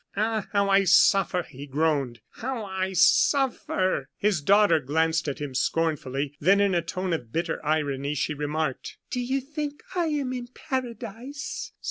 "Ah! how I suffer!" he groaned; "how I suffer!" His daughter glanced at him scornfully; then, in a tone of bitter irony, she remarked: "Do you think I am in Paradise?"